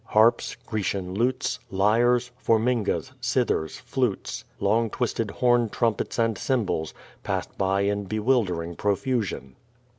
Harps, Grecian lutes, lyres, formingas, cithers, flutes, long twisted horn trumpets and cymbals, passed by in bewildering profusion.